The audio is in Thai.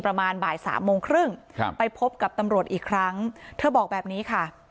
ประมาณบ่ายสามโมงครึ่งครับไปพบกับตำรวจอีกครั้งเธอบอกแบบนี้ค่ะ